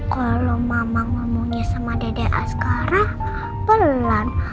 kalau mama ngomongnya sama dede asgara pelan